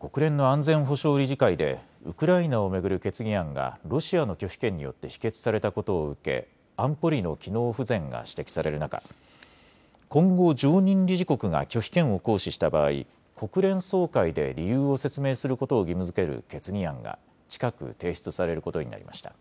国連の安全保障理事会でウクライナを巡る決議案がロシアの拒否権によって否決されたことを受け安保理の機能不全が指摘される中、今後、常任理事国が拒否権を行使した場合、国連総会で理由を説明することを義務づける決議案が近く提出されることになりました。